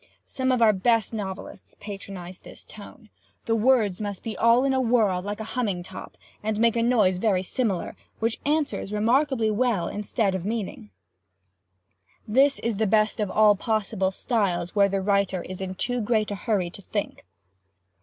Some of our best novelists patronize this tone. The words must be all in a whirl, like a humming top, and make a noise very similar, which answers remarkably well instead of meaning. This is the best of all possible styles where the writer is in too great a hurry to think.